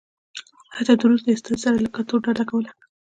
حتی د روس له استازي سره له کتلو ډډه کوله.